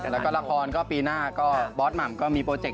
แล้วก็ละครก็ปีหน้าก็บอสหม่ำก็มีโปรเจค